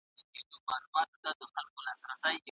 دا تدابير د يوه منظم سيستم په بڼه ښکاره سول.